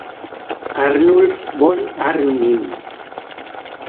Arnulf von Arnim.